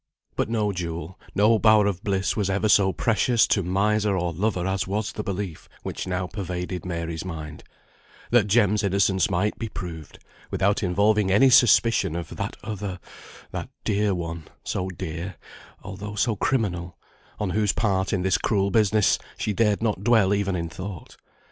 But no jewel, no bower of bliss was ever so precious to miser or lover as was the belief which now pervaded Mary's mind, that Jem's innocence might be proved, without involving any suspicion of that other that dear one, so dear, although so criminal on whose part in this cruel business she dared not dwell even in thought.